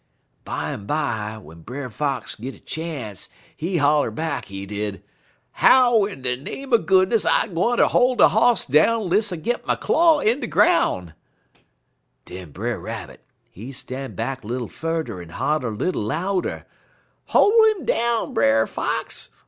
"Bimeby, w'en Brer Fox git chance, he holler back, he did: "'How in de name er goodness I gwine ter hol' de Hoss down 'less I git my claw in de groun'?' "Den Brer Rabbit, he stan' back little furder en holler little louder: "'Hol' 'im down, Brer Fox!